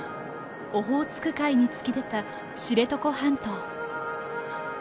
オホーツク海に突き出た知床半島。